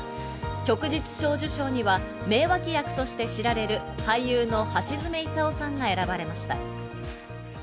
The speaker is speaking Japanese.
旭日小綬章には名脇役として知られる俳優の橋爪功さんが選ばれました。